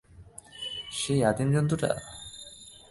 সেই আদিম জন্তুটা!